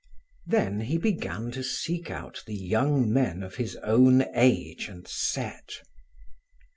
Then he began to seek out the young men of his own age and set.